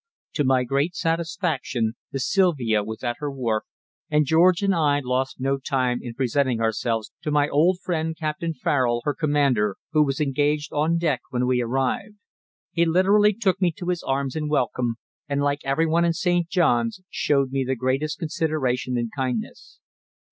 To my great satisfaction the Silvia was at her wharf, and George and I lost no time in presenting ourselves to my old friend Captain Farrell, her commander, who was engaged on deck when we arrived. He literally took me to his arms in welcome, and like everyone in St. Johns showed me the greatest consideration and kindness.